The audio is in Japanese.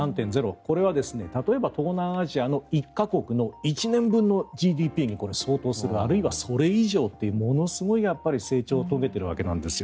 これは例えば東南アジアの１か国の１年分のＧＤＰに相当するあるいはそれ以上というものすごい成長を遂げているわけなんですよ。